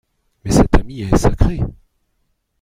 Mais cet ami est sacré.